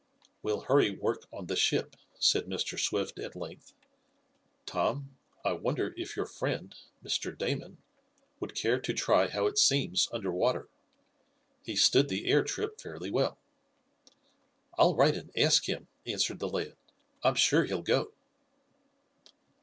"We'll hurry work on the ship," said Mr. Swift at length. "Tom, I wonder if your friend, Mr. Damon, would care to try how it seems under water? He stood the air trip fairly well." "I'll write and ask him," answered the lad. "I'm sure he'll go."